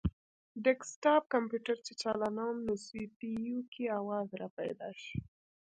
ډیسکټاپ کمپیوټر چې چالانووم نو سي پي یو کې اواز راپیدا شي